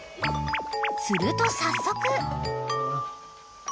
［すると早速］